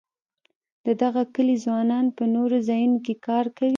د دغه کلي ځوانان په نورو ځایونو کې کار کوي.